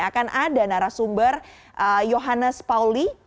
akan ada narasumber yohannes pauli